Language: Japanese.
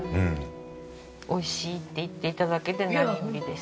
美味しいって言って頂けて何よりです。